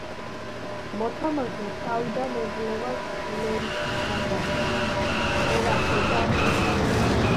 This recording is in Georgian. მოთამაშეს თავიდან ეძლევა სპილენძის ნაჯახი, წერაქვი და ხანჯალი.